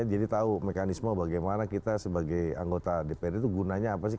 tahu mekanisme bagaimana kita sebagai anggota dpr itu gunanya apa sih